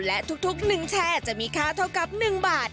และทุกหนึ่งแชร์จะมีค่าเท่ากับ๑บาท